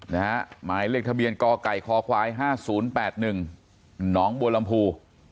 หมายเลขทะเบียนกไก่คควาย๕๐๘๑หนองบัวลำพู